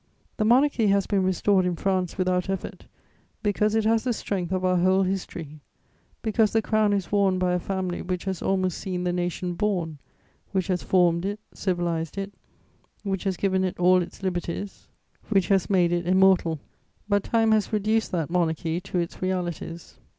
"The Monarchy has been restored in France without effort, because it has the strength of our whole history, because the crown is worn by a family which has almost seen the nation born, which has formed it, civilized it, which has given it all its liberties, which has made it immortal; but time has reduced that monarchy to its realities.